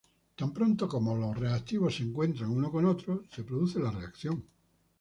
Tan pronto como los reactivos se encuentran uno con otro, se produce la reacción.